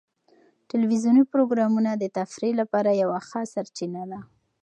ټلویزیوني پروګرامونه د تفریح لپاره یوه ښه سرچینه ده.